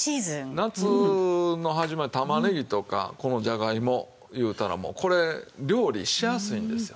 夏の始まり玉ねぎとかこのじゃがいもいうたらもうこれ料理しやすいんですよ。